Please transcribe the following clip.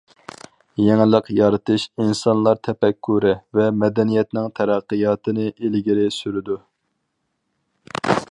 يېڭىلىق يارىتىش ئىنسانلار تەپەككۇرى ۋە مەدەنىيەتنىڭ تەرەققىياتىنى ئىلگىرى سۈرىدۇ.